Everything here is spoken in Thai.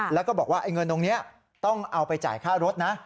แล้วก็บอกว่าเงินตรงนี้ต้องเอาไปจ่ายค่ารถนะ